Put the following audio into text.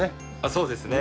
そうですね。